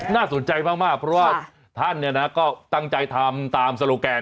น่าสนใจมากเพราะว่าท่านก็ตั้งใจทำตามโซโลแกน